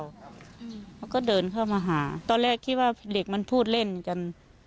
เขาก็เดินเข้ามาหาตอนแรกคิดว่าเด็กมันพูดเล่นกัน